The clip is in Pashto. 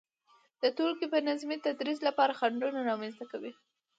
د تولګي بي نظمي د تدريس لپاره خنډونه رامنځته کوي،